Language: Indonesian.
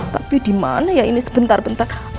tapi dimana ya ini sebentar bentar